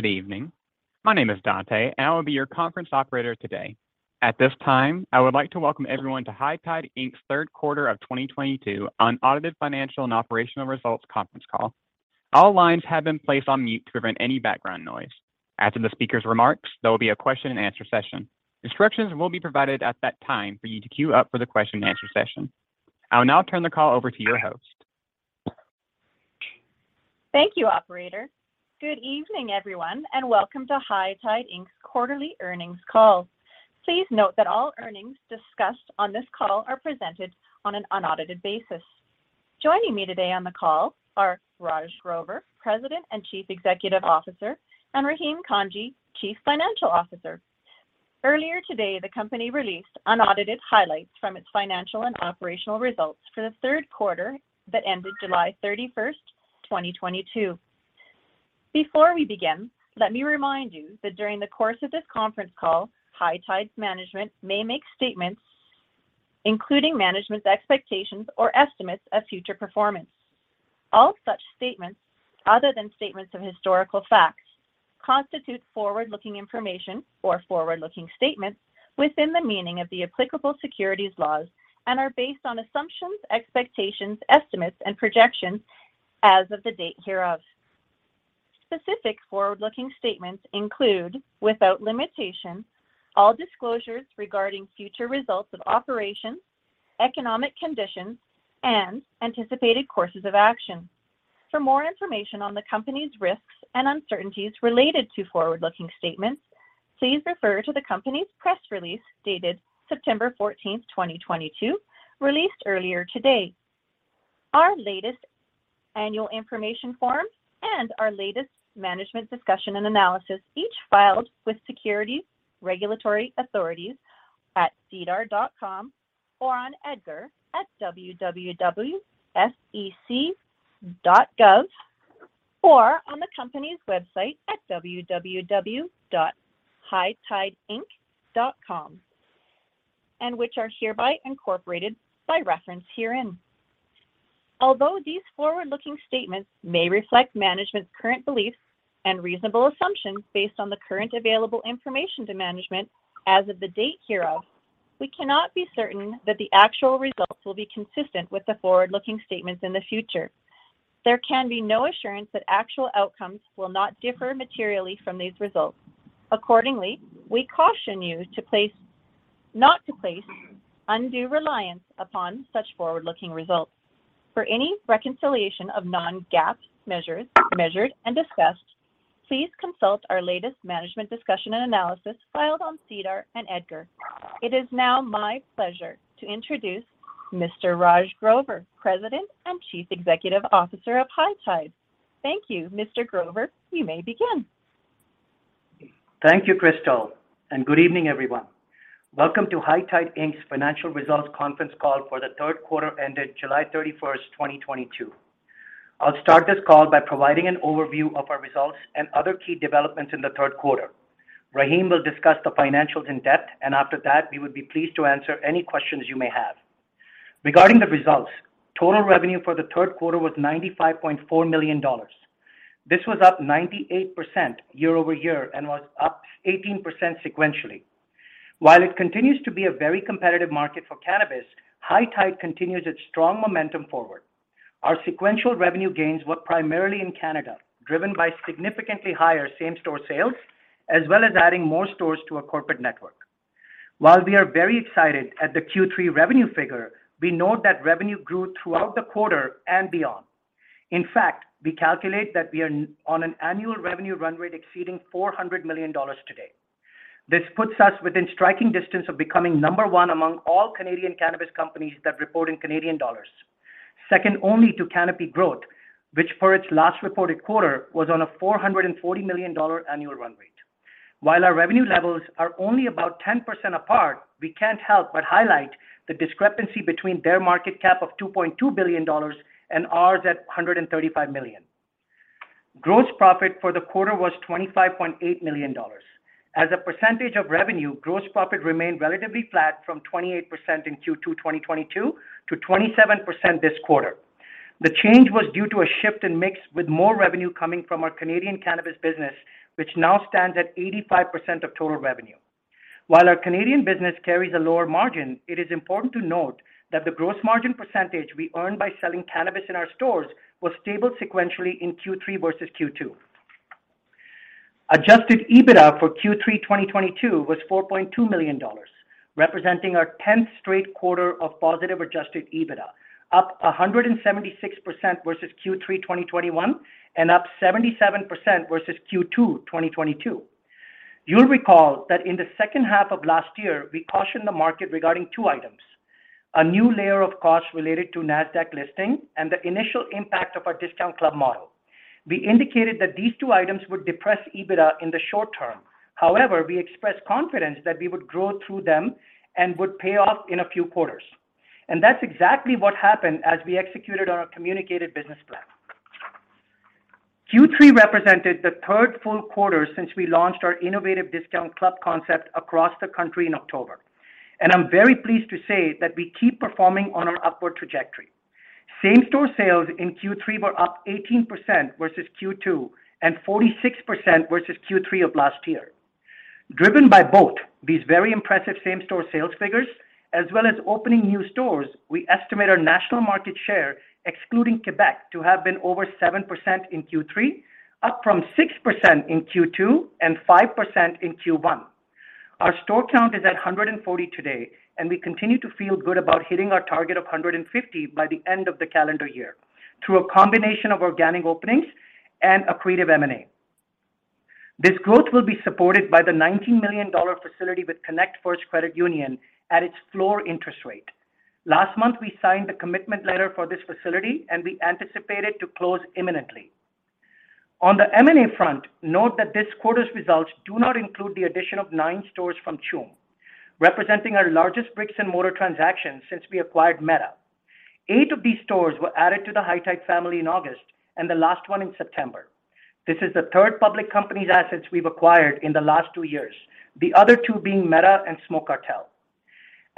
Good evening. My name is Dante, and I will be your conference operator today. At this time, I would like to welcome everyone to High Tide Inc's third quarter of 2022 unaudited financial and operational results conference call. All lines have been placed on mute to prevent any background noise. After the speaker's remarks, there will be a question-and-answer session. Instructions will be provided at that time for you to queue up for the question-and-answer session. I will now turn the call over to your host. Thank you, operator. Good evening, everyone, and welcome to High Tide Inc's quarterly earnings call. Please note that all earnings discussed on this call are presented on an unaudited basis. Joining me today on the call are Raj Grover, President and Chief Executive Officer, and Rahim Kanji, Chief Financial Officer. Earlier today, the company released unaudited highlights from its financial and operational results for the third quarter that ended July 31st, 2022. Before we begin, let me remind you that during the course of this conference call, High Tide's management may make statements including management's expectations or estimates of future performance. All such statements, other than statements of historical facts, constitute forward-looking information or forward-looking statements within the meaning of the applicable securities laws and are based on assumptions, expectations, estimates, and projections as of the date hereof. Specific forward-looking statements include, without limitation, all disclosures regarding future results of operations, economic conditions, and anticipated courses of action. For more information on the company's risks and uncertainties related to forward-looking statements, please refer to the company's press release dated September 14th, 2022, released earlier today. Our latest annual information form and our latest management's discussion and analysis, each filed with securities regulatory authorities at SEDAR.com or on EDGAR at www.sec.gov or on the company's website at www.hightideinc.com and which are hereby incorporated by reference herein. Although these forward-looking statements may reflect management's current beliefs and reasonable assumptions based on the current available information to management as of the date hereof, we cannot be certain that the actual results will be consistent with the forward-looking statements in the future. There can be no assurance that actual outcomes will not differ materially from these results. Accordingly, we caution you not to place undue reliance upon such forward-looking results. For any reconciliation of non-GAAP measured and discussed, please consult our latest Management Discussion and Analysis filed on SEDAR and EDGAR. It is now my pleasure to introduce Mr. Raj Grover, President and Chief Executive Officer of High Tide. Thank you. Mr. Grover, you may begin. Thank you, Krystal, and good evening, everyone. Welcome to High Tide Inc's financial results conference call for the third quarter ended July 31st, 2022. I'll start this call by providing an overview of our results and other key developments in the third quarter. Rahim will discuss the financials in depth, and after that, we would be pleased to answer any questions you may have. Regarding the results, total revenue for the third quarter was 95.4 million dollars. This was up 98% year-over-year and was up 18% sequentially. While it continues to be a very competitive market for cannabis, High Tide continues its strong momentum forward. Our sequential revenue gains were primarily in Canada, driven by significantly higher same-store sales, as well as adding more stores to our corporate network. While we are very excited at the Q3 revenue figure, we note that revenue grew throughout the quarter and beyond. In fact, we calculate that we are on an annual revenue run rate exceeding 400 million dollars today. This puts us within striking distance of becoming number one among all Canadian cannabis companies that report in Canadian dollars, second only to Canopy Growth, which for its last reported quarter was on a 440 million dollar annual run rate. While our revenue levels are only about 10% apart, we can't help but highlight the discrepancy between their market cap of 2.2 billion dollars and ours at 135 million. Gross profit for the quarter was 25.8 million dollars. As a percentage of revenue, gross profit remained relatively flat from 28% in Q2 2022 to 27% this quarter. The change was due to a shift in mix with more revenue coming from our Canadian cannabis business, which now stands at 85% of total revenue. While our Canadian business carries a lower margin, it is important to note that the gross margin percentage we earned by selling cannabis in our stores was stable sequentially in Q3 versus Q2. Adjusted EBITDA for Q3 2022 was 4.2 million dollars, representing our 10th straight quarter of positive adjusted EBITDA, up 176% versus Q3 2021, and up 77% versus Q2 2022. You'll recall that in the second half of last year, we cautioned the market regarding two items, a new layer of costs related to Nasdaq listing and the initial impact of our discount club model. We indicated that these two items would depress EBITDA in the short term. However, we expressed confidence that we would grow through them and would pay off in a few quarters. That's exactly what happened as we executed on our communicated business plan. Q3 represented the third full quarter since we launched our innovative discount club concept across the country in October, and I'm very pleased to say that we keep performing on our upward trajectory. Same-store sales in Q3 were up 18% versus Q2 and 46% versus Q3 of last year. Driven by both these very impressive same-store sales figures, as well as opening new stores, we estimate our national market share, excluding Quebec, to have been over 7% in Q3, up from 6% in Q2 and 5% in Q1. Our store count is at 140 today, and we continue to feel good about hitting our target of 150 by the end of the calendar year through a combination of organic openings and accretive M&A. This growth will be supported by the 19 million dollar facility with connectFirst Credit Union at its floor interest rate. Last month, we signed the commitment letter for this facility, and we anticipate it to close imminently. On the M&A front, note that this quarter's results do not include the addition of nine stores from Choom, representing our largest bricks and mortar transaction since we acquired Meta. Eight of these stores were added to the High Tide family in August and the last one in September. This is the third public company's assets we've acquired in the last two years, the other two being Meta and Smoke Cartel.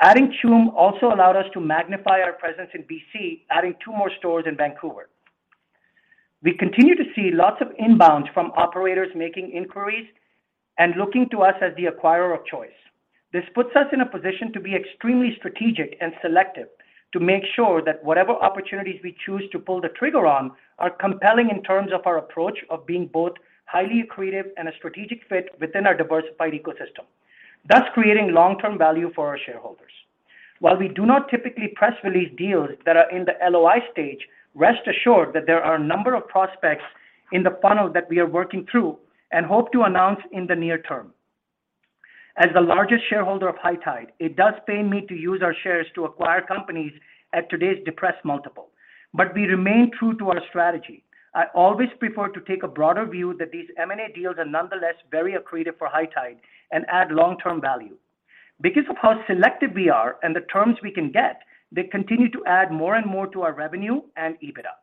Adding Choom also allowed us to magnify our presence in BC, adding two more stores in Vancouver. We continue to see lots of inbounds from operators making inquiries and looking to us as the acquirer of choice. This puts us in a position to be extremely strategic and selective to make sure that whatever opportunities we choose to pull the trigger on are compelling in terms of our approach of being both highly accretive and a strategic fit within our diversified ecosystem, thus creating long-term value for our shareholders. While we do not typically press release deals that are in the LOI stage, rest assured that there are a number of prospects in the funnel that we are working through and hope to announce in the near term. As the largest shareholder of High Tide, it does pain me to use our shares to acquire companies at today's depressed multiple. We remain true to our strategy. I always prefer to take a broader view that these M&A deals are nonetheless very accretive for High Tide and add long-term value. Because of how selective we are and the terms we can get, they continue to add more and more to our revenue and EBITDA.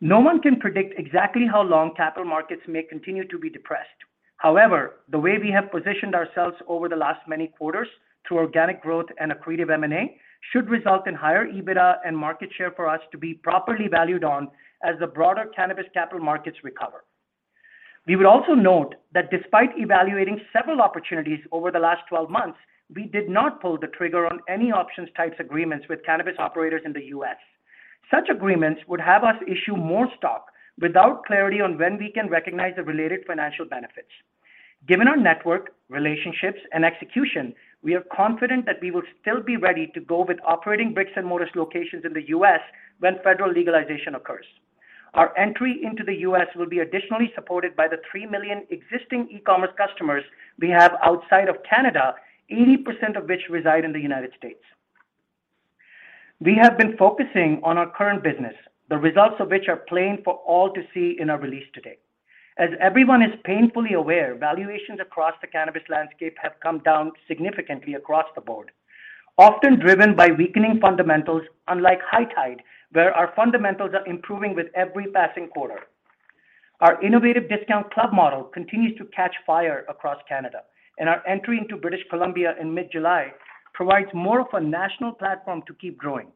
No one can predict exactly how long capital markets may continue to be depressed. However, the way we have positioned ourselves over the last many quarters through organic growth and accretive M&A should result in higher EBITDA and market share for us to be properly valued on as the broader cannabis capital markets recover. We would also note that despite evaluating several opportunities over the last 12 months, we did not pull the trigger on any option-type agreements with cannabis operators in the U.S. Such agreements would have us issue more stock without clarity on when we can recognize the related financial benefits. Given our network, relationships, and execution, we are confident that we will still be ready to go with operating bricks and mortar locations in the U.S. when federal legalization occurs. Our entry into the U.S. will be additionally supported by the 3 million existing e-commerce customers we have outside of Canada, 80% of which reside in the United States. We have been focusing on our current business, the results of which are plain for all to see in our release today. As everyone is painfully aware, valuations across the cannabis landscape have come down significantly across the board, often driven by weakening fundamentals, unlike High Tide, where our fundamentals are improving with every passing quarter. Our innovative discount club model continues to catch fire across Canada, and our entry into British Columbia in mid-July provides more of a national platform to keep growing.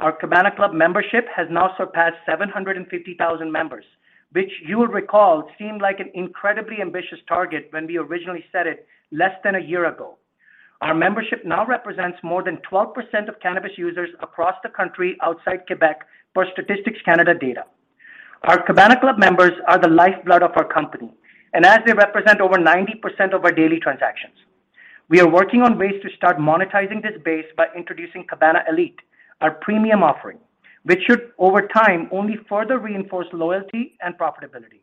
Our Cabana Club membership has now surpassed 750,000 members, which you will recall seemed like an incredibly ambitious target when we originally said it less than a year ago. Our membership now represents more than 12% of cannabis users across the country outside Quebec, per Statistics Canada data. Our Cabana Club members are the lifeblood of our company, and, as they represent over 90% of our daily transactions. We are working on ways to start monetizing this base by introducing Cabana Elite, our premium offering, which should, over time, only further reinforce loyalty and profitability.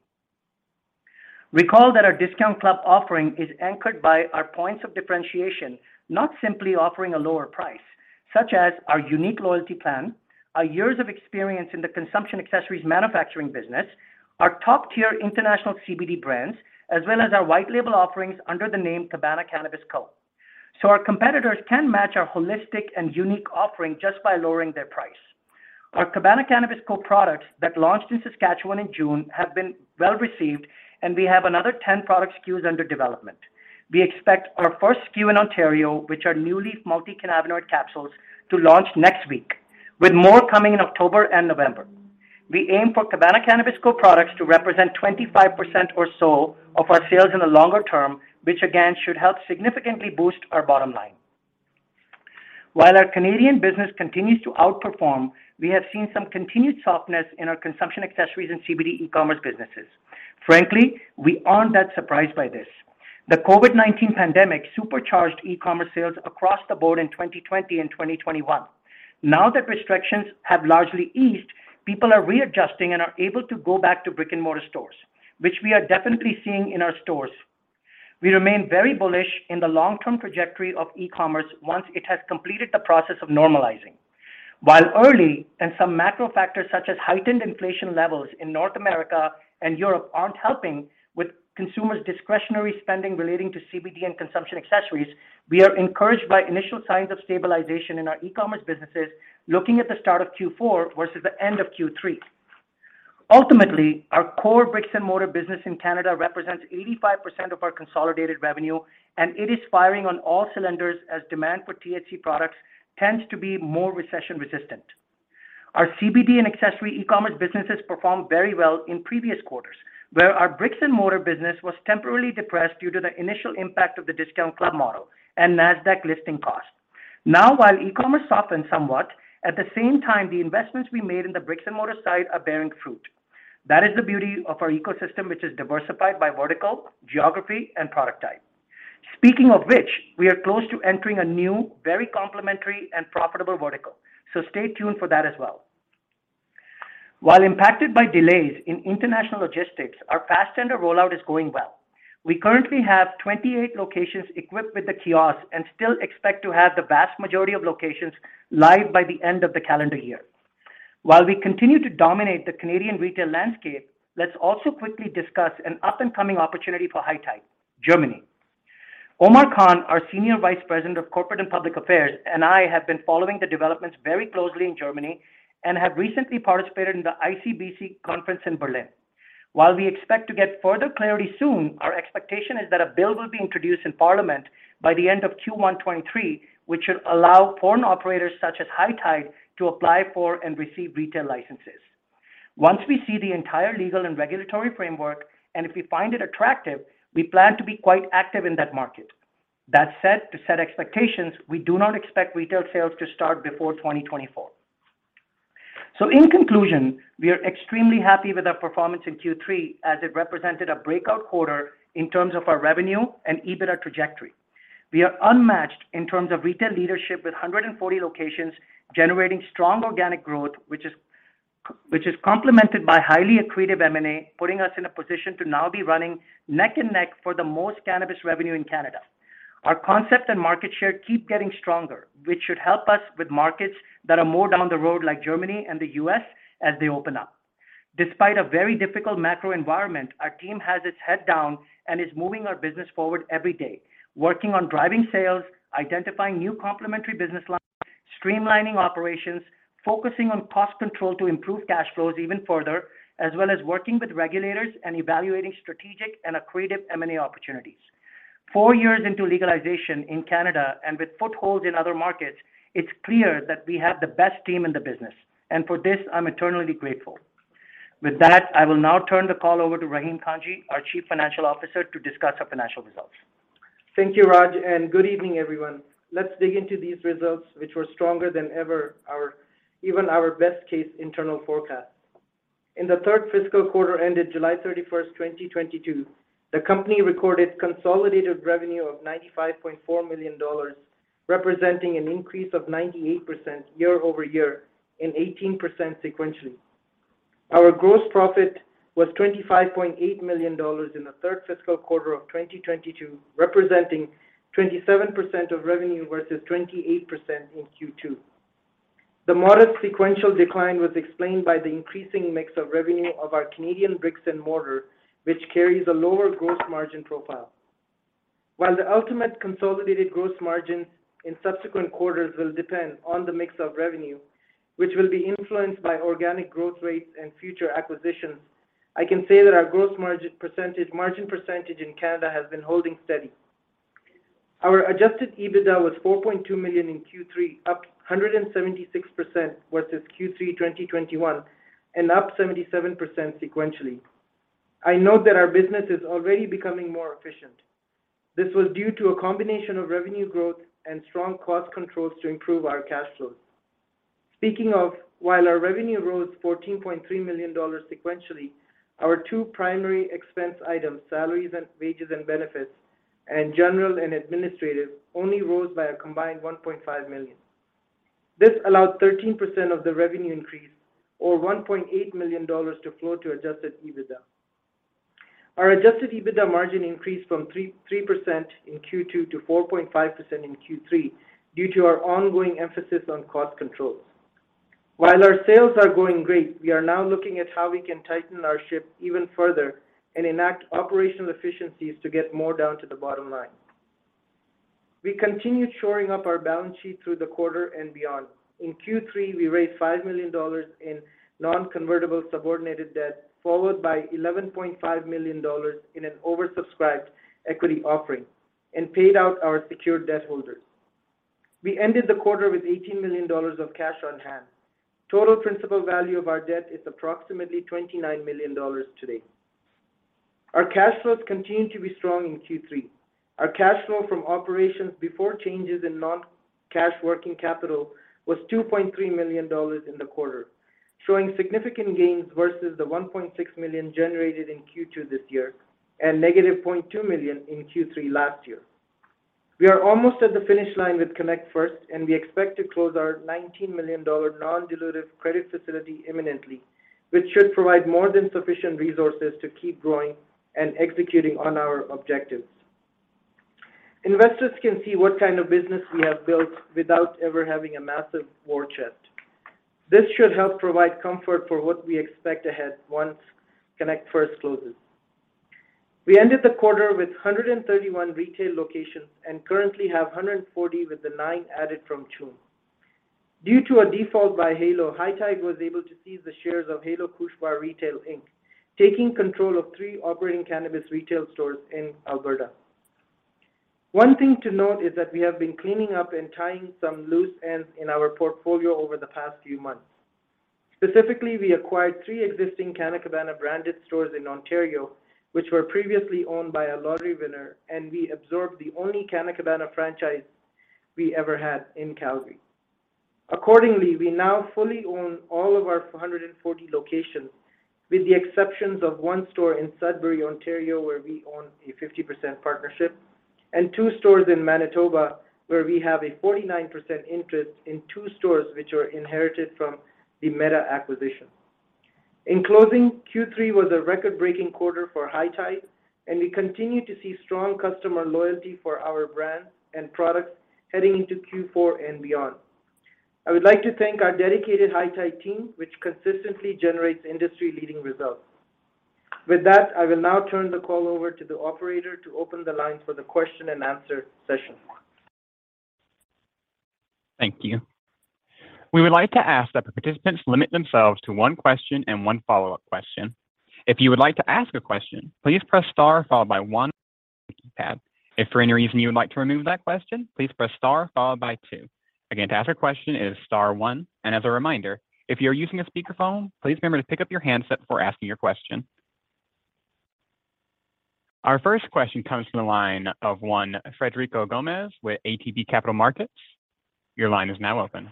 Recall that our discount club offering is anchored by our points of differentiation, not simply offering a lower price, such as our unique loyalty plan, our years of experience in the consumption accessories manufacturing business, our top-tier international CBD brands, as well as our white label offerings under the name Cabana Cannabis Co. Our competitors can match our holistic and unique offering just by lowering their price. Our Cabana Cannabis Co products that launched in Saskatchewan in June have been well received, and we have another 10 product SKUs under development. We expect our first SKU in Ontario, which are NuLeaf multicannabinoid capsules, to launch next week, with more coming in October and November. We aim for Cabana Cannabis Co products to represent 25% or so of our sales in the longer term, which again should help significantly boost our bottom line. While our Canadian business continues to outperform, we have seen some continued softness in our consumption accessories and CBD e-commerce businesses. Frankly, we aren't that surprised by this. The COVID-19 pandemic supercharged e-commerce sales across the board in 2020 and 2021. Now that restrictions have largely eased, people are readjusting and are able to go back to brick-and-mortar stores, which we are definitely seeing in our stores. We remain very bullish in the long-term trajectory of e-commerce once it has completed the process of normalizing. While early and some macro factors such as heightened inflation levels in North America and Europe aren't helping with consumers' discretionary spending relating to CBD and consumption accessories, we are encouraged by initial signs of stabilization in our e-commerce businesses looking at the start of Q4 versus the end of Q3. Ultimately, our core bricks and mortar business in Canada represents 85% of our consolidated revenue, and it is firing on all cylinders as demand for THC products tends to be more recession-resistant. Our CBD and accessory e-commerce businesses performed very well in previous quarters, where our bricks and mortar business was temporarily depressed due to the initial impact of the discount club model and Nasdaq listing cost. Now while e-commerce softened somewhat, at the same time, the investments we made in the bricks and mortar side are bearing fruit. That is the beauty of our ecosystem, which is diversified by vertical, geography, and product type. Speaking of which, we are close to entering a new, very complementary and profitable vertical, so stay tuned for that as well. While impacted by delays in international logistics, our Fastendr rollout is going well. We currently have 28 locations equipped with the kiosk and still expect to have the vast majority of locations live by the end of the calendar year. While we continue to dominate the Canadian retail landscape, let's also quickly discuss an up-and-coming opportunity for High Tide, Germany. Omar Khan, our Senior Vice President of Corporate and Public Affairs, and I have been following the developments very closely in Germany and have recently participated in the ICBC conference in Berlin. While we expect to get further clarity soon, our expectation is that a bill will be introduced in Parliament by the end of Q1 2023, which should allow foreign operators such as High Tide to apply for and receive retail licenses. Once we see the entire legal and regulatory framework, and if we find it attractive, we plan to be quite active in that market. That said, to set expectations, we do not expect retail sales to start before 2024. In conclusion, we are extremely happy with our performance in Q3 as it represented a breakout quarter in terms of our revenue and EBITDA trajectory. We are unmatched in terms of retail leadership with 140 locations generating strong organic growth, which is complemented by highly accretive M&A, putting us in a position to now be running neck and neck for the most cannabis revenue in Canada. Our concept and market share keep getting stronger, which should help us with markets that are more down the road like Germany and the U.S. as they open up. Despite a very difficult macro environment, our team has its head down and is moving our business forward every day, working on driving sales, identifying new complementary business lines, streamlining operations, focusing on cost control to improve cash flows even further, as well as working with regulators and evaluating strategic and accretive M&A opportunities. Four years into legalization in Canada and with footholds in other markets, it's clear that we have the best team in the business, and for this, I'm eternally grateful. With that, I will now turn the call over to Rahim Kanji, our Chief Financial Officer, to discuss our financial results. Thank you, Raj, and good evening, everyone. Let's dig into these results, which were stronger than even our best-case internal forecast. In the third fiscal quarter ended July 31st, 2022, the company recorded consolidated revenue of 95.4 million dollars, representing an increase of 98% year-over-year and 18% sequentially. Our gross profit was 25.8 million dollars in the third fiscal quarter of 2022, representing 27% of revenue versus 28% in Q2. The modest sequential decline was explained by the increasing mix of revenue of our Canadian brick-and-mortar, which carries a lower gross margin profile. While the ultimate consolidated gross margins in subsequent quarters will depend on the mix of revenue, which will be influenced by organic growth rates and future acquisitions, I can say that our gross margin percentage in Canada has been holding steady. Our adjusted EBITDA was 4.2 million in Q3, up 176% versus Q3 2021 and up 77% sequentially. I note that our business is already becoming more efficient. This was due to a combination of revenue growth and strong cost controls to improve our cash flows. Speaking of, while our revenue rose 14.3 million dollars sequentially, our two primary expense items, salaries and wages and benefits, and general and administrative, only rose by a combined 1.5 million. This allowed 13% of the revenue increase or 1.8 million dollars to flow to adjusted EBITDA. Our adjusted EBITDA margin increased from 3.3% in Q2 to 4.5% in Q3 due to our ongoing emphasis on cost controls. While our sales are going great, we are now looking at how we can tighten our ship even further and enact operational efficiencies to get more down to the bottom line. We continued shoring up our balance sheet through the quarter and beyond. In Q3, we raised 5 million dollars in non-convertible subordinated debt, followed by 11.5 million dollars in an oversubscribed equity offering and paid out our secured debt holders. We ended the quarter with 18 million dollars of cash on hand. Total principal value of our debt is approximately 29 million dollars today. Our cash flows continue to be strong in Q3. Our cash flow from operations before changes in non-cash working capital was 2.3 million dollars in the quarter, showing significant gains versus the 1.6 million generated in Q2 this year and -0.2 million in Q3 last year. We are almost at the finish line with connectFirst, and we expect to close our 19 million dollar non-dilutive credit facility imminently, which should provide more than sufficient resources to keep growing and executing on our objectives. Investors can see what kind of business we have built without ever having a massive war chest. This should help provide comfort for what we expect ahead once connectFirst closes. We ended the quarter with 131 retail locations and currently have 140 with the nine added from June. Due to a default by Halo, High Tide was able to seize the shares of Halo Kushbar Retail Inc, taking control of three operating cannabis retail stores in Alberta. One thing to note is that we have been cleaning up and tying some loose ends in our portfolio over the past few months. Specifically, we acquired three existing Canna Cabana branded stores in Ontario, which were previously owned by a lottery winner, and we absorbed the only Canna Cabana franchise we ever had in Calgary. Accordingly, we now fully own all of our 440 locations, with the exceptions of one store in Sudbury, Ontario, where we own a 50% partnership, and two stores in Manitoba where we have a 49% interest in two stores which were inherited from the Meta acquisition. In closing, Q3 was a record-breaking quarter for High Tide, and we continue to see strong customer loyalty for our brands and products heading into Q4 and beyond. I would like to thank our dedicated High Tide team, which consistently generates industry-leading results. With that, I will now turn the call over to the operator to open the line for the question-and-answer session. Thank you. We would like to ask that the participants limit themselves to one question and one follow-up question. If you would like to ask a question, please press star followed by one on your keypad. If for any reason you would like to remove that question, please press star followed by two. Again, to ask your question, it is star one. As a reminder, if you're using a speakerphone, please remember to pick up your handset before asking your question. Our first question comes from the line of Frederico Gomes with ATB Capital Markets. Your line is now open.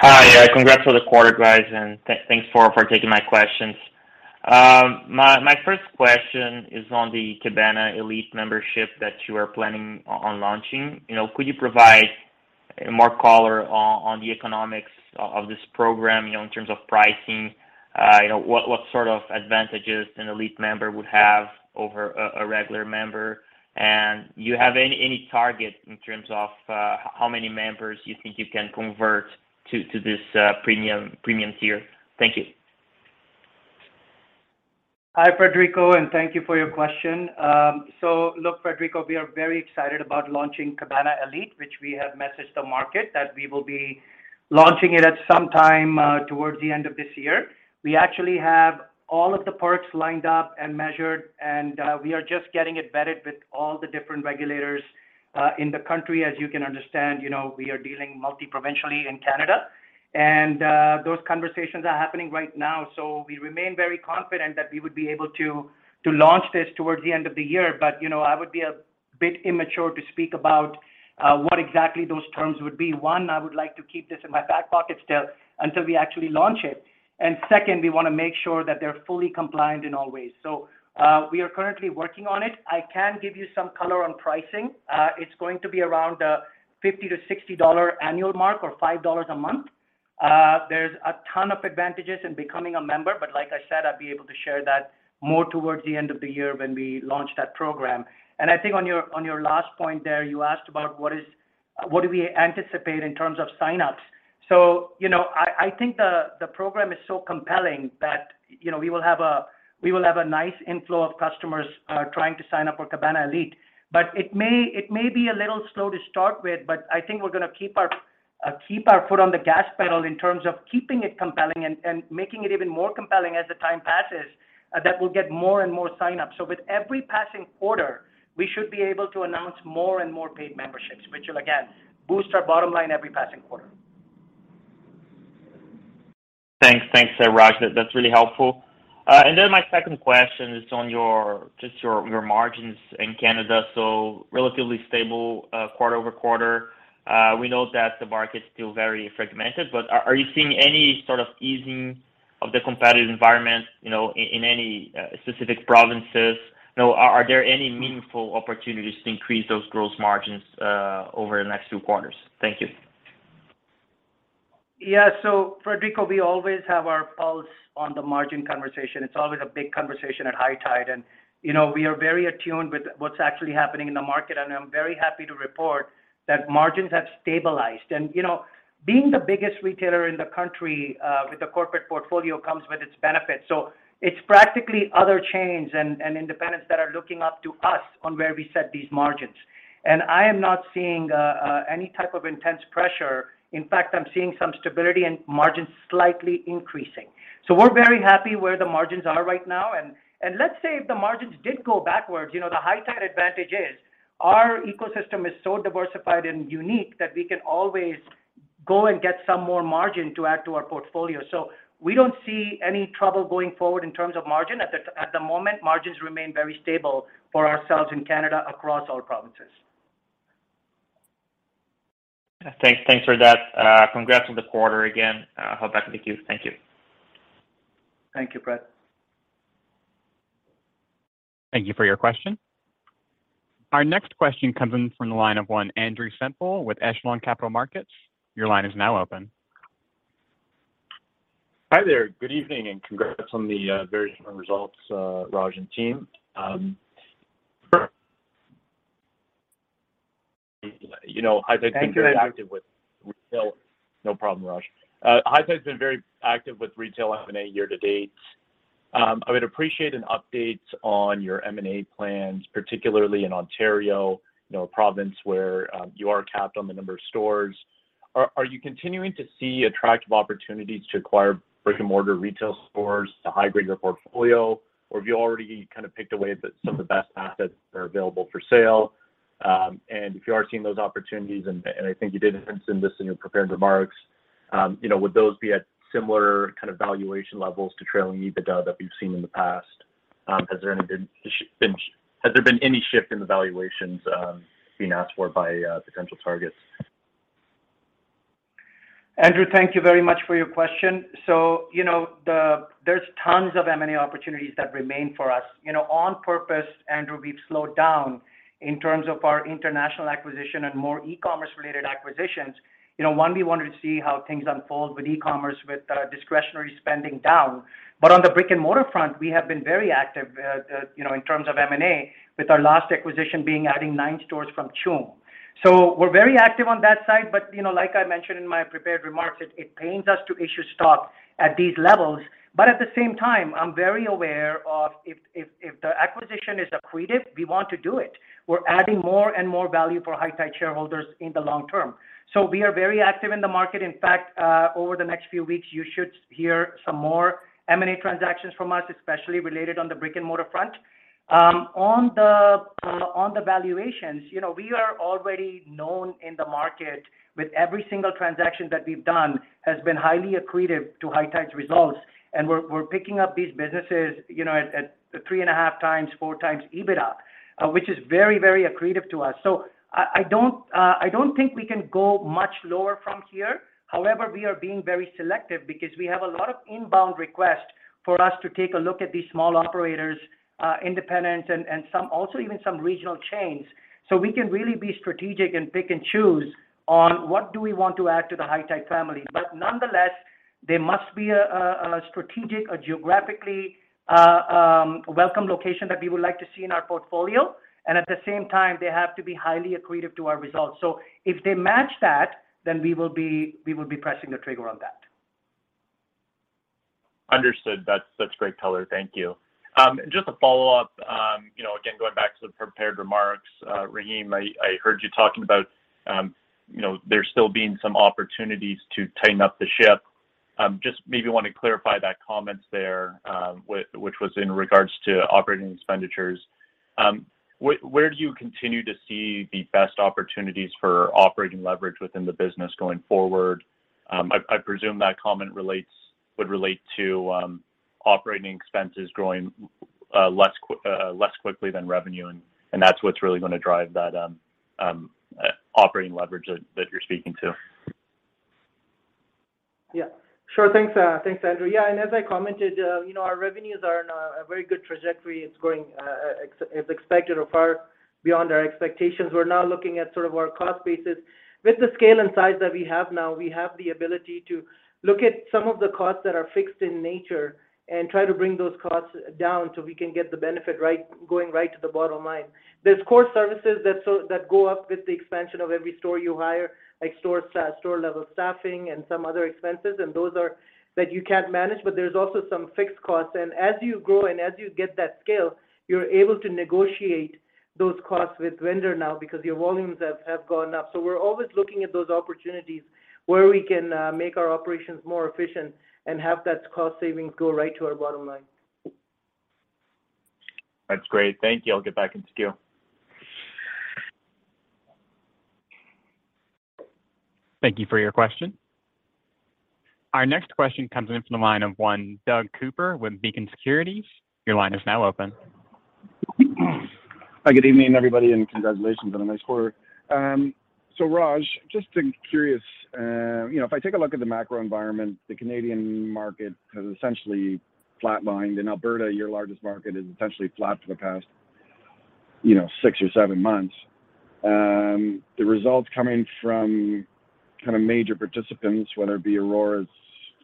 Hi. Congrats for the quarter, guys, and thanks for taking my questions. My first question is on the Cabana Elite membership that you are planning on launching. You know, could you provide more color on the economics of this program, you know, in terms of pricing? You know, what sort of advantages an Elite member would have over a regular member? Do you have any target in terms of how many members you think you can convert to this premium tier? Thank you. Hi, Frederico, and thank you for your question. Look, Frederico, we are very excited about launching Cabana Elite, which we have messaged the market that we will be launching it at some time towards the end of this year. We actually have all of the perks lined up and measured, and we are just getting it vetted with all the different regulators in the country. As you can understand, you know, we are dealing multi-provincially in Canada and those conversations are happening right now. We remain very confident that we would be able to launch this towards the end of the year. You know, I would be a bit premature to speak about what exactly those terms would be. One, I would like to keep this in my back pocket still until we actually launch it. Second, we wanna make sure that they're fully compliant in all ways. We are currently working on it. I can give you some color on pricing. It's going to be around 50-60 dollars annual mark or 5 dollars a month. There's a ton of advantages in becoming a member, but like I said, I'd be able to share that more towards the end of the year when we launch that program. I think on your last point there, you asked about what do we anticipate in terms of signups. You know, I think the program is so compelling that, you know, we will have a nice inflow of customers trying to sign up for Cabana Elite. It may be a little slow to start with, but I think we're gonna keep our foot on the gas pedal in terms of keeping it compelling and making it even more compelling as the time passes, that we'll get more and more signups. With every passing quarter, we should be able to announce more and more paid memberships, which will again boost our bottom line every passing quarter. Thanks. Thanks, Raj. That's really helpful. My second question is on your margins in Canada. Relatively stable quarter-over-quarter. We know that the market's still very fragmented, but are you seeing any sort of easing of the competitive environment, you know, in any specific provinces? You know, are there any meaningful opportunities to increase those gross margins over the next two quarters? Thank you. Yeah. Frederico, we always have our pulse on the margin conversation. It's always a big conversation at High Tide and, you know, we are very attuned with what's actually happening in the market, and I'm very happy to report that margins have stabilized. You know, being the biggest retailer in the country, with a corporate portfolio comes with its benefits. It's practically other chains and independents that are looking up to us on where we set these margins. I am not seeing any type of intense pressure. In fact, I'm seeing some stability and margins slightly increasing. We're very happy where the margins are right now. Let's say if the margins did go backwards, you know, the High Tide advantage is our ecosystem is so diversified and unique that we can always go and get some more margin to add to our portfolio. We don't see any trouble going forward in terms of margin. At the moment, margins remain very stable for ourselves in Canada across all provinces. Thanks. Thanks for that. Congrats on the quarter again. Hop back in the queue. Thank you. Thank you, Fred. Thank you for your question. Our next question comes in from the line of one Andrew Semple with Echelon Capital Markets. Your line is now open. Hi there. Good evening, and congrats on the very strong results, Raj and team. You know, High Tide's been very active with retail. Thank you, Andrew. No problem, Raj. High Tide's been very active with retail M&A year to date. I would appreciate an update on your M&A plans, particularly in Ontario, you know, a province where you are capped on the number of stores. Are you continuing to see attractive opportunities to acquire brick-and-mortar retail stores to hybrid your portfolio? Or have you already kind of picked away at some of the best assets that are available for sale? And if you are seeing those opportunities, and I think you did allude to this in your prepared remarks, you know, would those be at similar kind of valuation levels to trailing EBITDA that we've seen in the past? Has there been any shift in the valuations being asked for by potential targets? Andrew, thank you very much for your question. You know, there's tons of M&A opportunities that remain for us. You know, on purpose, Andrew, we've slowed down in terms of our international acquisition and more e-commerce related acquisitions. You know, one, we wanted to see how things unfold with e-commerce with discretionary spending down. On the brick-and-mortar front, we have been very active, you know, in terms of M&A, with our last acquisition being adding nine stores from Choom. We're very active on that side, but, you know, like I mentioned in my prepared remarks, it pains us to issue stock at these levels. At the same time, I'm very aware of if the acquisition is accretive, we want to do it. We're adding more and more value for High Tide shareholders in the long term. We are very active in the market. In fact, over the next few weeks, you should hear some more M&A transactions from us, especially related on the brick-and-mortar front. On the valuations, you know, we are already known in the market with every single transaction that we've done has been highly accretive to High Tide's results, and we're picking up these businesses, you know, at 3.5x, 4x EBITDA, which is very, very accretive to us. I don't think we can go much lower from here. However, we are being very selective because we have a lot of inbound requests for us to take a look at these small operators, independent and some also even some regional chains. We can really be strategic and pick and choose on what do we want to add to the High Tide family. Nonetheless, they must be a strategic, a geographically welcome location that we would like to see in our portfolio, and at the same time, they have to be highly accretive to our results. If they match that, then we will be pressing the trigger on that. Understood. That's such great color. Thank you. Just a follow-up. You know, again, going back to the prepared remarks, Rahim, I heard you talking about, you know, there still being some opportunities to tighten up the ship. Just maybe want to clarify that comment there, with which was in regards to operating expenditures. Where do you continue to see the best opportunities for operating leverage within the business going forward? I presume that comment would relate to operating expenses growing less quickly than revenue, and that's what's really gonna drive that operating leverage that you're speaking to. Sure. Thanks, Andrew. As I commented, our revenues are in a very good trajectory. It's growing as expected or far beyond our expectations. We're now looking at sort of our cost basis. With the scale and size that we have now, we have the ability to look at some of the costs that are fixed in nature and try to bring those costs down so we can get the benefit right, going right to the bottom line. There's core services that go up with the expansion of every store you hire, like store level staffing and some other expenses, and those that you can't manage, but there's also some fixed costs. As you grow and as you get that scale, you're able to negotiate those costs with vendor now because your volumes have gone up. We're always looking at those opportunities where we can make our operations more efficient and have that cost savings go right to our bottom line. That's great. Thank you. I'll get back in queue. Thank you for your question. Our next question comes in from the line of one Doug Cooper with Beacon Securities. Your line is now open. Hi, good evening, everybody, and congratulations on a nice quarter. Raj, just curious, you know, if I take a look at the macro environment, the Canadian market has essentially flatlined. In Alberta, your largest market, is essentially flat for the past, you know, six or seven months. The results coming from kind of major participants, whether it be Aurora's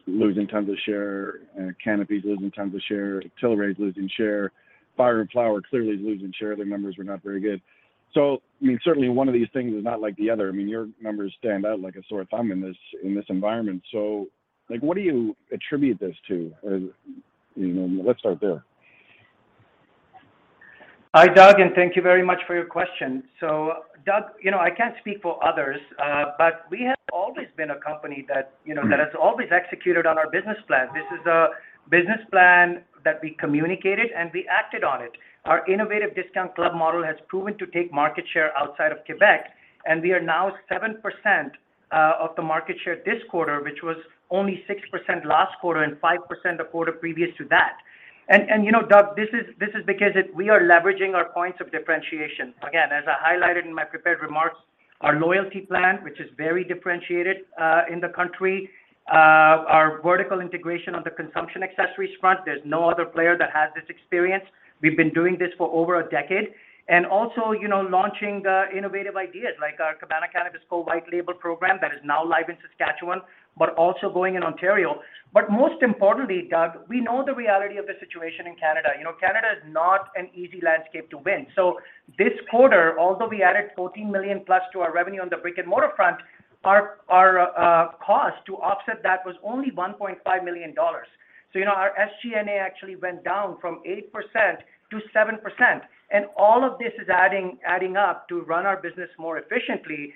losing tons of share, Canopy's losing tons of share, Tilray's losing share, Fire & Flower clearly is losing share, their numbers were not very good. I mean, certainly one of these things is not like the other. I mean, your numbers stand out like a sore thumb in this environment. Like, what do you attribute this to? You know, let's start there. Hi, Doug, and thank you very much for your question. Doug, you know, I can't speak for others, but we have always been a company that, you know, that has always executed on our business plan. This is a business plan that we communicated and we acted on it. Our innovative discount club model has proven to take market share outside of Quebec, and we are now 7% of the market share this quarter, which was only 6% last quarter and 5% the quarter previous to that. You know, Doug, this is because we are leveraging our points of differentiation. Again, as I highlighted in my prepared remarks. Our loyalty plan, which is very differentiated in the country. Our vertical integration on the consumption accessories front, there's no other player that has this experience. We've been doing this for over a decade. Also, you know, launching the innovative ideas like our Cabana Cannabis Co white label program that is now live in Saskatchewan, but also going in Ontario. Most importantly, Doug, we know the reality of the situation in Canada. You know, Canada is not an easy landscape to win. This quarter, although we added 14 million+ to our revenue on the brick-and-mortar front, our cost to offset that was only 1.5 million dollars. You know, our SG&A actually went down from 8%-7%. All of this is adding up to run our business more efficiently.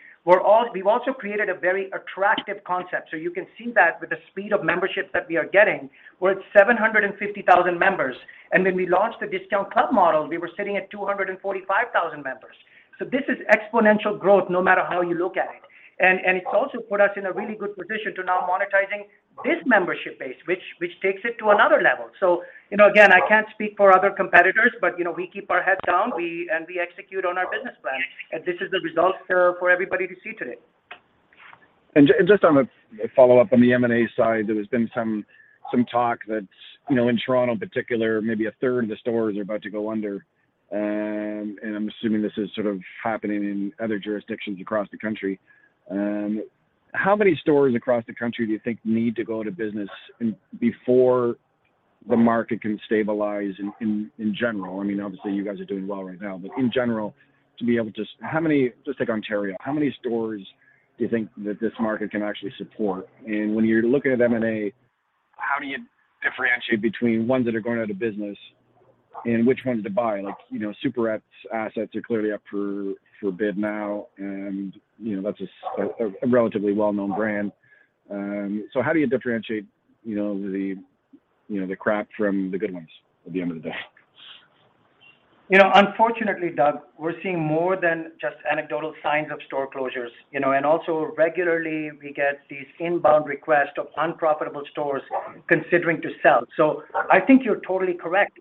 We've also created a very attractive concept. You can see that with the speed of memberships that we are getting. We're at 750,000 members. When we launched the discount club model, we were sitting at 245,000 members. This is exponential growth, no matter how you look at it. It's also put us in a really good position to now monetizing this membership base, which takes it to another level. You know, again, I can't speak for other competitors, but you know, we keep our heads down. We execute on our business plan. This is the result for everybody to see today. Just on a follow-up on the M&A side, there's been some talk that, you know, in Toronto in particular, maybe 1/3 of the stores are about to go under. I'm assuming this is sort of happening in other jurisdictions across the country. How many stores across the country do you think need to go out of business before the market can stabilize in general? I mean, obviously, you guys are doing well right now. In general, just take Ontario. How many stores do you think that this market can actually support? When you're looking at M&A, how do you differentiate between ones that are going out of business and which ones to buy? Like, you know, Superette's assets are clearly up for bid now, and, you know, that's a relatively well-known brand. How do you differentiate, you know, the crap from the good ones at the end of the day? You know, unfortunately, Doug, we're seeing more than just anecdotal signs of store closures, you know. Also regularly, we get these inbound requests of unprofitable stores considering to sell. I think you're totally correct.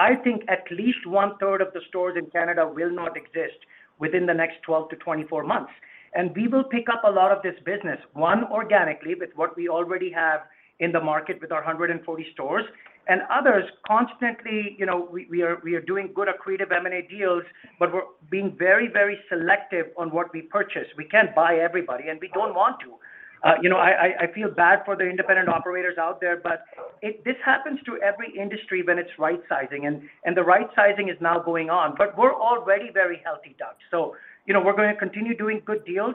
I think at least 1/3 of the stores in Canada will not exist within the next 12-24 months. We will pick up a lot of this business, one, organically with what we already have in the market with our 140 stores. Others constantly, you know, we are doing good accretive M&A deals, but we're being very, very selective on what we purchase. We can't buy everybody, and we don't want to. I feel bad for the independent operators out there, but this happens to every industry when it's right sizing and the right sizing is now going on. We're already very healthy, Doug. You know, we're gonna continue doing good deals,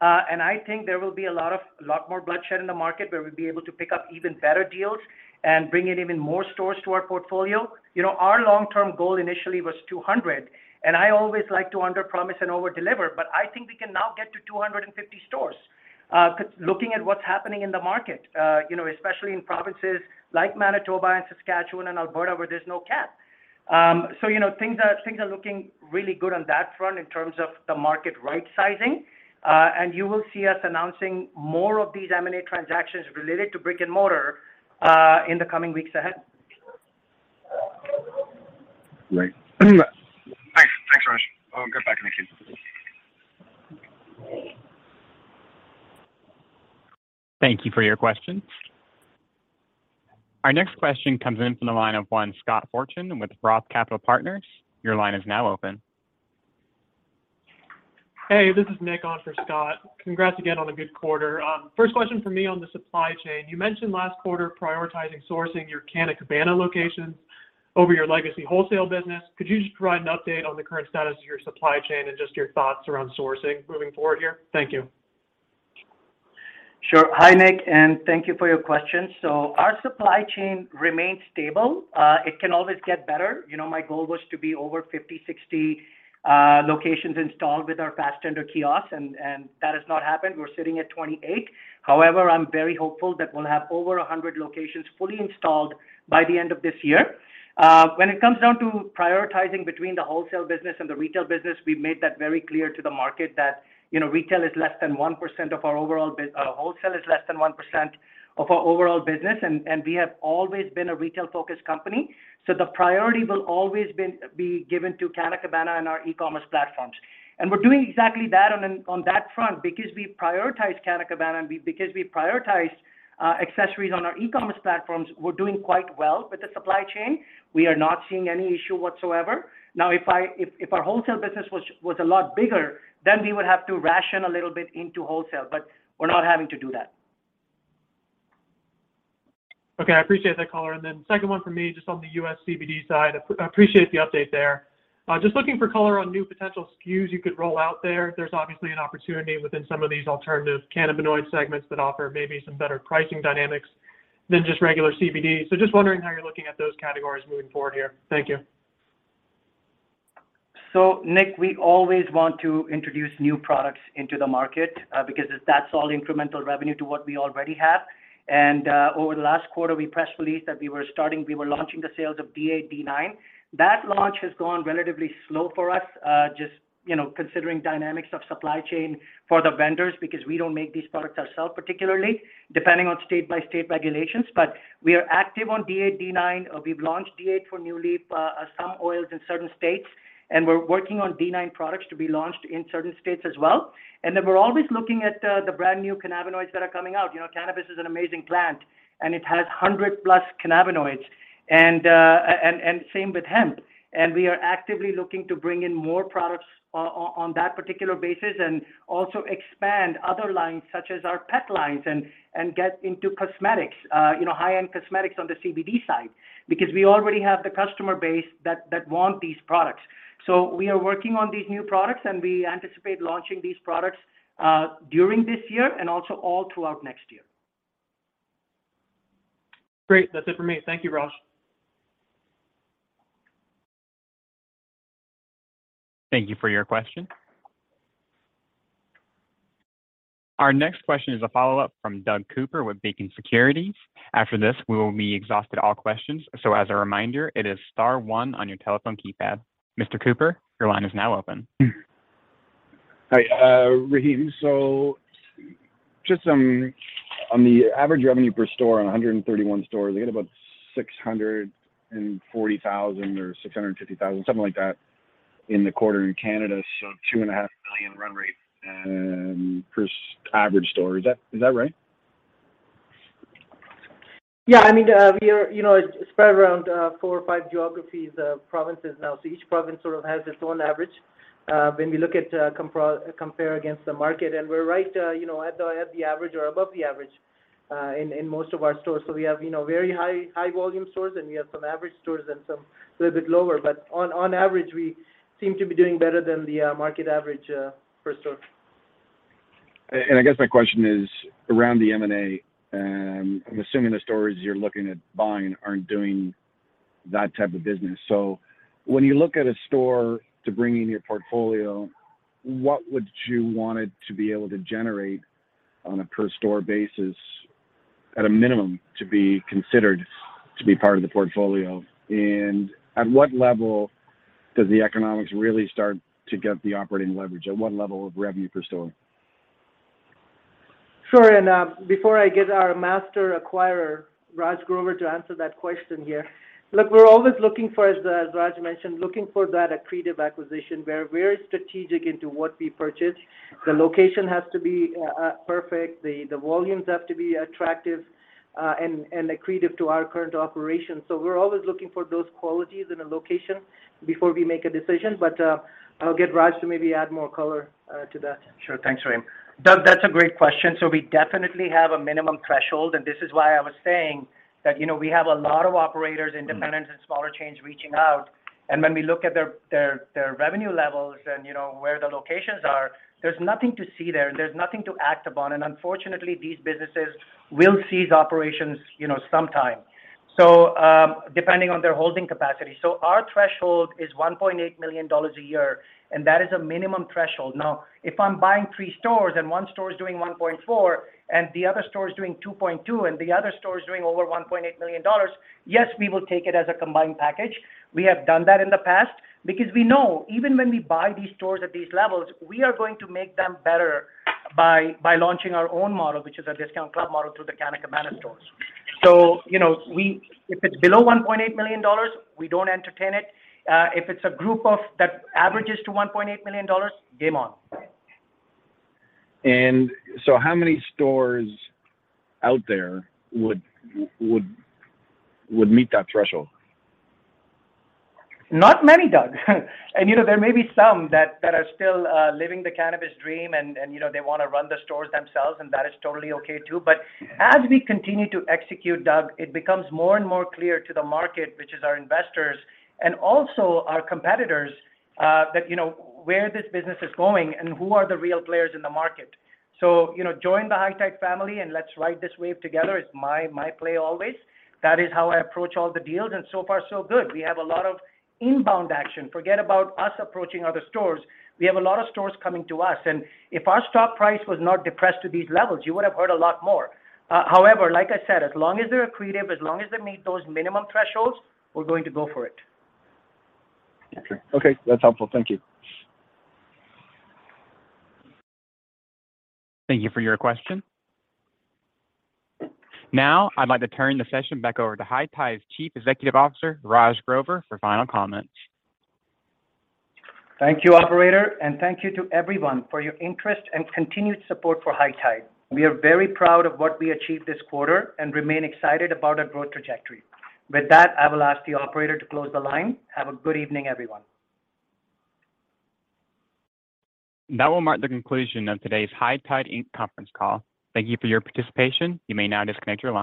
and I think there will be a lot more bloodshed in the market, where we'll be able to pick up even better deals and bring in even more stores to our portfolio. You know, our long-term goal initially was 200, and I always like to under promise and overdeliver, but I think we can now get to 250 stores, looking at what's happening in the market, you know, especially in provinces like Manitoba and Saskatchewan and Alberta, where there's no cap. You know, things are looking really good on that front in terms of the market right sizing, and you will see us announcing more of these M&A transactions related to brick-and-mortar in the coming weeks ahead. Great. Thanks. Thanks, Raj. I'll give it back to Nick then. Thank you for your question. Our next question comes from the line of Scott Fortune with ROTH Capital Partners. Your line is now open. Hey, this is Nick on for Scott. Congrats again on a good quarter. First question from me on the supply chain. You mentioned last quarter prioritizing sourcing your Canna Cabana locations over your legacy wholesale business. Could you just provide an update on the current status of your supply chain and just your thoughts around sourcing moving forward here? Thank you. Sure. Hi, Nick, and thank you for your question. Our supply chain remains stable. It can always get better. You know, my goal was to be over 50, 60 locations installed with our Fastendr kiosks and that has not happened. We're sitting at 28. However, I'm very hopeful that we'll have over 100 locations fully installed by the end of this year. When it comes down to prioritizing between the wholesale business and the retail business, we've made that very clear to the market that, you know, retail is less than 1% of our overall business, and wholesale is less than 1% of our overall business, and we have always been a retail-focused company. The priority will always be given to Canna Cabana and our e-commerce platforms. We're doing exactly that on that front. Because we prioritize Canna Cabana and accessories on our e-commerce platforms, we're doing quite well with the supply chain. We are not seeing any issue whatsoever. Now, if our wholesale business was a lot bigger, then we would have to ration a little bit into wholesale, but we're not having to do that. Okay. I appreciate that color. Second one for me, just on the U.S. CBD side. Appreciate the update there. Just looking for color on new potential SKUs you could roll out there. There's obviously an opportunity within some of these alternative cannabinoid segments that offer maybe some better pricing dynamics than just regular CBD. Just wondering how you're looking at those categories moving forward here. Thank you. Nick, we always want to introduce new products into the market, because that's all incremental revenue to what we already have. Over the last quarter, we press released that we were launching the sales of D8, D9. That launch has gone relatively slow for us, just, you know, considering dynamics of supply chain for the vendors because we don't make these products ourselves, particularly depending on state-by-state regulations. We are active on D8, D9. We've launched D8 for NuLeaf Naturals, some oils in certain states, and we're working on D9 products to be launched in certain states as well. We're always looking at the brand-new cannabinoids that are coming out. You know, cannabis is an amazing plant, and it has hundred-plus cannabinoids and same with hemp. We are actively looking to bring in more products on that particular basis and also expand other lines such as our pet lines and get into cosmetics, you know, high-end cosmetics on the CBD side because we already have the customer base that want these products. We are working on these new products and we anticipate launching these products during this year and also all throughout next year. Great. That's it for me. Thank you, Raj. Thank you for your question. Our next question is a follow-up from Doug Cooper with Beacon Securities. After this, we will have exhausted all questions. As a reminder, it is star one on your telephone keypad. Mr. Cooper, your line is now open. Hi, Rahim. Just some on the average revenue per store, on 131 stores, they get about 640,000 or 650,000, something like that in the quarter in Canada. 2.5 million run rate per average store. Is that right? Yeah, I mean, we are, you know, spread around four or five geographies, provinces now. So each province sort of has its own average when we look at compare against the market, and we're right, you know, at the average or above the average in most of our stores. So we have, you know, very high volume stores, and we have some average stores and some little bit lower. On average, we seem to be doing better than the market average per store. I guess my question is around the M&A, and I'm assuming the stores you're looking at buying aren't doing that type of business. When you look at a store to bring in your portfolio, what would you want it to be able to generate on a per store basis at a minimum to be considered to be part of the portfolio? At what level does the economics really start to get the operating leverage? At what level of revenue per store? Sure. Before I get our master acquirer, Raj Grover, to answer that question here. Look, we're always looking for, as Raj mentioned, looking for that accretive acquisition. We're very strategic into what we purchase. The location has to be perfect. The volumes have to be attractive and accretive to our current operations. We're always looking for those qualities in a location before we make a decision. I'll get Raj to maybe add more color to that. Sure. Thanks, Rahim. Doug, that's a great question. We definitely have a minimum threshold, and this is why I was saying that, you know, we have a lot of operators, independents and smaller chains reaching out, and when we look at their revenue levels and, you know, where the locations are, there's nothing to see there. There's nothing to act upon. Unfortunately, these businesses will cease operations, you know, sometime, so, depending on their holding capacity. Our threshold is 1.8 million dollars a year, and that is a minimum threshold. Now, if I'm buying three stores and one store is doing 1.4 million and the other store is doing 2.2 million, and the other store is doing over 1.8 million dollars, yes, we will take it as a combined package. We have done that in the past. Because we know even when we buy these stores at these levels, we are going to make them better by launching our own model, which is a discount club model through the Canna Cabana stores. You know, if it's below 1.8 million dollars, we don't entertain it. If it's a group of that averages to 1.8 million dollars, game on. How many stores out there would meet that threshold? Not many, Doug. You know, there may be some that are still living the cannabis dream and, you know, they wanna run the stores themselves, and that is totally okay too. As we continue to execute, Doug, it becomes more and more clear to the market, which is our investors and also our competitors, that, you know, where this business is going and who are the real players in the market. You know, join the High Tide family and let's ride this wave together is my play always. That is how I approach all the deals, and so far so good. We have a lot of inbound action. Forget about us approaching other stores. We have a lot of stores coming to us, and if our stock price was not depressed to these levels, you would've heard a lot more. However, like I said, as long as they're accretive, as long as they meet those minimum thresholds, we're going to go for it. Okay. That's helpful. Thank you. Thank you for your question. Now, I'd like to turn the session back over to High Tide's Chief Executive Officer, Raj Grover, for final comments. Thank you, operator, and thank you to everyone for your interest and continued support for High Tide. We are very proud of what we achieved this quarter and remain excited about our growth trajectory. With that, I will ask the operator to close the line. Have a good evening, everyone. That will mark the conclusion of today's High Tide Inc. conference call. Thank you for your participation. You may now disconnect your line.